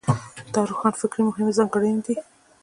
دا د روښانفکرۍ مهمې ځانګړنې دي.